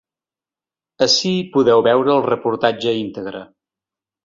Ací podeu veure el reportatge íntegre.